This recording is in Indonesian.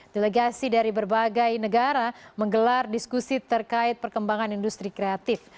delegasi dari berbagai negara menggelar diskusi terkait perkembangan industri kreatif